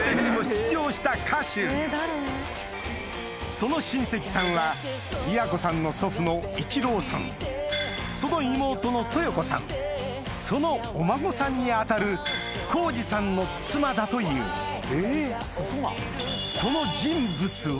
その親戚さんは京さんの祖父の一郎さんその妹の豊子さんそのお孫さんに当たる弘司さんの妻だというその人物は